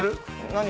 何？